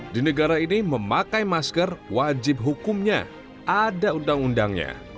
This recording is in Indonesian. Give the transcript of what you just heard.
di negara ini memakai masker wajib hukumnya ada undang undangnya